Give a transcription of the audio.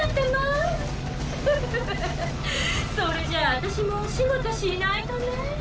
それじゃあ私もお仕事しないとね。